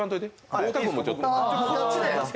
太田君もちょっと。